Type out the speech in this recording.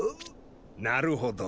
なるほど。